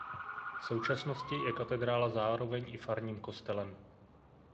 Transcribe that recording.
V současnosti je katedrála zároveň i farním kostelem.